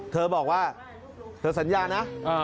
เธอบอกว่าเธอสัญญานะ